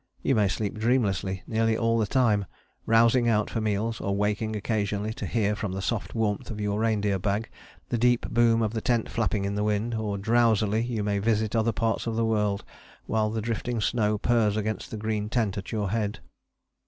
You may sleep dreamlessly nearly all the time, rousing out for meals, or waking occasionally to hear from the soft warmth of your reindeer bag the deep boom of the tent flapping in the wind, or drowsily you may visit other parts of the world, while the drifting snow purrs against the green tent at your head.